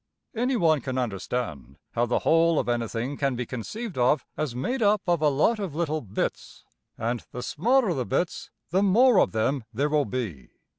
Any one can understand how the whole of anything can be conceived of as made up of a lot of little bits; and the smaller the bits the more of them there will be.